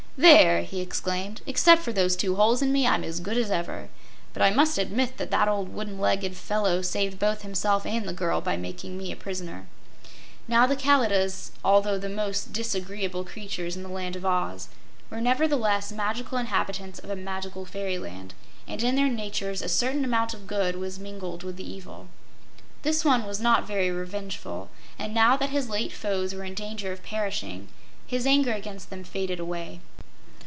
"There!" he exclaimed, "except for those two holes in me, I'm as good as ever; but I must admit that that old wooden legged fellow saved both himself and the girl by making me a prisoner." Now the Kalidahs, although the most disagreeable creatures in the Land of Oz, were nevertheless magical inhabitants of a magical Fairyland, and in their natures a certain amount of good was mingled with the evil. This one was not very revengeful, and now that his late foes were in danger of perishing, his anger against them faded away.